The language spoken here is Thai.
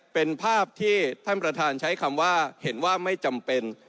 เป็นภาพที่ท่านประธานใช้คำว่าเห็นว่าไม่จำเป็น